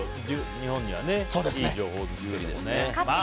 日本にはいい情報ですね。